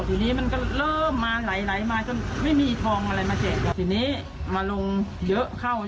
ทีนี้มันก็เริ่มมาไหลมาจนไม่มีทองอะไรมาเจ็บ